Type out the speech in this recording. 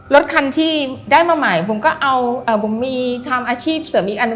รถคันที่ได้มาใหม่ผมก็เอาผมมีทำอาชีพเสริมอีกอันหนึ่ง